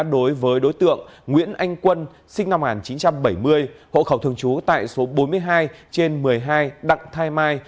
đối với đối tượng nguyễn anh quân sinh năm một nghìn chín trăm bảy mươi hộ khẩu thường trú tại số bốn mươi hai trên một mươi hai đặng thái mai